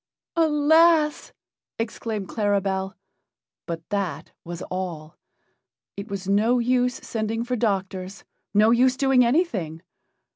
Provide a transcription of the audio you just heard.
"Alas!" exclaimed Claribel, but that was all. It was no use sending for doctors no use doing anything.